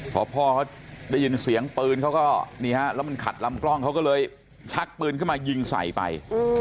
พอพ่อเขาได้ยินเสียงปืนเขาก็นี่ฮะแล้วมันขัดลำกล้องเขาก็เลยชักปืนขึ้นมายิงใส่ไป